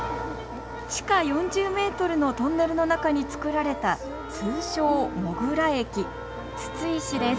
地下４０ｍのトンネルの中に造られた通称モグラ駅筒石です